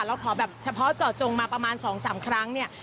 เราขอแบบเฉพาะเจาะจงมาประมาณ๒๓ครั้งเนี่ย